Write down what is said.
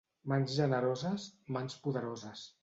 Mans generoses, mans poderoses.